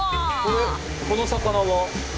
この魚は？